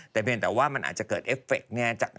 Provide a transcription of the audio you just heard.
แต่เพียงแต่ว่ามันอาจจะเกิดเอฟเฟกต์เนี่ย